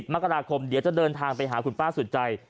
มกราคมเดี๋ยวจะเดินทางไปหาคุณป้าสุดใจ